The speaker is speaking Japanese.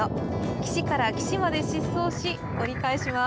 岸から岸まで疾走し折り返します。